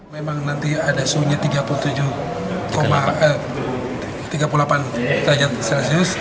memang nanti ada suhunya tiga puluh tujuh tiga puluh delapan derajat celcius